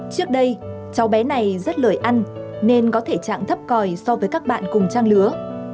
trước đây cháu bé này rất lời ăn nên có thể trạng thấp còi so với các bạn cùng trang lứa